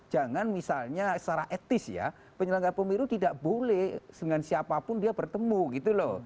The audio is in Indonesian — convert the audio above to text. jangan misalnya secara etis ya penyelenggara pemilu tidak boleh dengan siapapun dia bertemu gitu loh